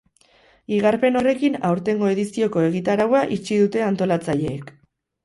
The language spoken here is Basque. Iragarpen horrekin, aurtengo edizioko egitaraua itxi dute antolatzaileek.